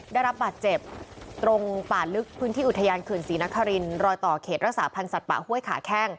ได้รับบาดเจ็บตรงป่าลึกพื้นที่อุทยานเขื่อนศรีนครินรอยต่อเขตรักษาพันธ์สัตว์ป่าห้วยขาแข้ง